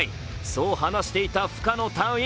そう話していた深野隊員。